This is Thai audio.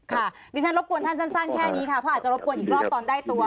ดิฉันรบกวนท่านสั้นแค่นี้ค่ะเพราะอาจจะรบกวนอีกรอบตอนได้ตัว